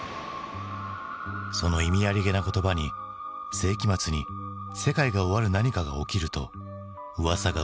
その意味ありげな言葉に世紀末に世界が終わる何かが起きるとうわさがうわさを呼ぶ。